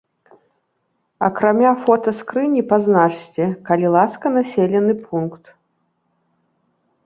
Акрамя фота скрыні пазначце, калі ласка населены пункт.